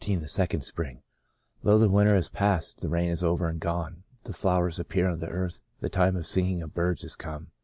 XIII THE SECOND SPRING «' Lo, the winter is past, the rain is over and gone ; the flow ers appear on the earth; the time of the singing of birds is come."